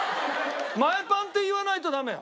前パンって言わないとダメよ。